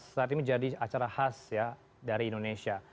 saat ini menjadi acara khas ya dari indonesia